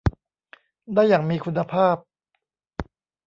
ได้อย่างมีคุณภาพ